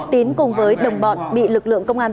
tín cùng với đồng bọn bị lực lượng công an